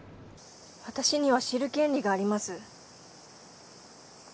私には知る権利があります。